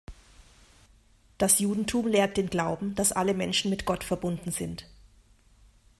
Das Judentum lehrt den Glauben, dass alle Menschen mit Gott verbunden sind.